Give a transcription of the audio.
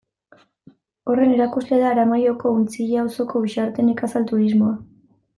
Horren erakusle da Aramaioko Untzilla auzoko Uxarte Nekazal Turismoa.